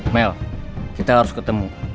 mel kita harus ketemu